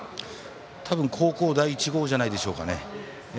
多分高校第１号じゃないでしょうかね。